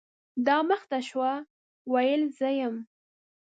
دا مخ ته شوه ، ویل زه یم .